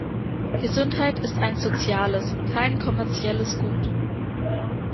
Gesundheit ist ein soziales und kein kommerzielles Gut.